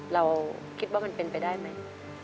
เราคิดว่ามันเป็นไปได้ไหม